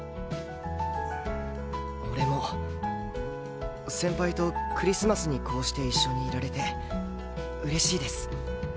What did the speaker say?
俺も先輩とクリスマスにこうして一緒にいられて嬉しいです。